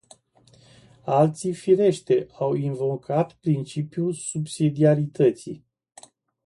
Alții, firește, au invocat principiul subsidiarității.